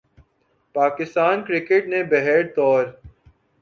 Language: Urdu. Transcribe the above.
پاکستان کرکٹ نے بہرطور